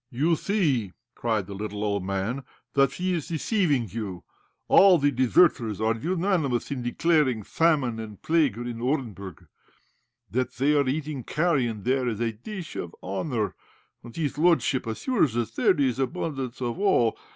"You see," cried the little old man, "that he is deceiving you. All the deserters are unanimous in declaring famine and plague are in Orenburg, that they are eating carrion there as a dish of honour. And his lordship assures us there is abundance of all.